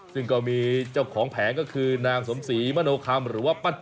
ซึ่งก็มีเจ้าของแผงก็คือนางสมศรีมโนคำหรือว่าปั้น